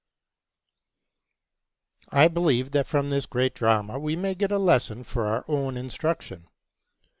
I believe that from this great drama we may get a lesson for our own instruction.